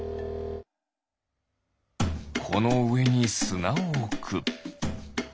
このうえにすなをおく。